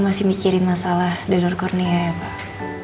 masih mikirin masalah donor kurnia ya pak